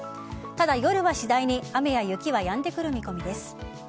ただ、夜は次第に雨や雪はやんでくる見込みです。